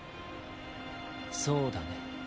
そうだね。